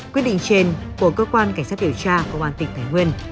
quyết định trên của cơ quan cảnh sát điều tra công an tỉnh thái nguyên